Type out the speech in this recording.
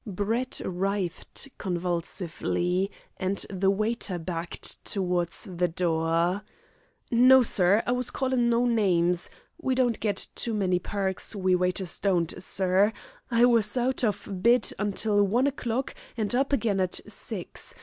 Brett writhed convulsively, and the waiter backed towards the door. "No, sir, I was callin' no names. We don't get too many perks we waiters don't, sir. I was out of bed until one o'clock and up again at six.